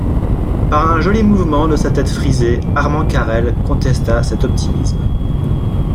Par un joli mouvement de sa tête frisée, Armand Carrel contesta cet optimisme.